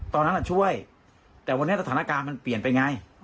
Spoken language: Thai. ตอนนั้นช่วยแต่วันนี้สถานการณ์มันเปลี่ยนไปไง